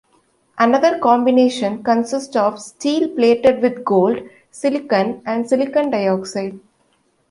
Another combination consists of steel plated with gold, silicon, and silicon dioxide.